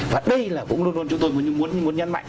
và đây là cũng luôn luôn chúng tôi muốn nhấn mạnh